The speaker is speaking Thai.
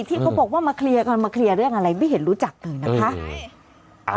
ที่เขาบอกว่ามาเคลียร์กันมาเคลียร์เรื่องอะไรไม่เห็นรู้จักเลยนะคะ